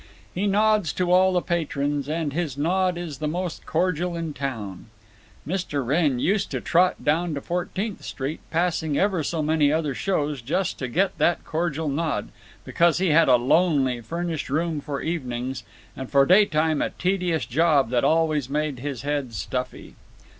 He nods to all the patrons, and his nod is the most cordial in town. Mr. Wrenn used to trot down to Fourteenth Street, passing ever so many other shows, just to get that cordial nod, because he had a lonely furnished room for evenings, and for daytime a tedious job that always made his head stuffy.